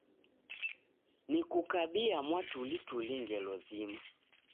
Nikukabia mwatulituli ngelo zima